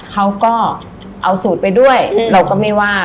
เขาก็เอาสูตรไปด้วยเราก็ไม่ว่า